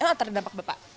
sama yang terdampak bapak